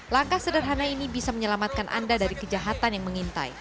langkah sederhana ini bisa menyelamatkan anda dari kejahatan yang mengintai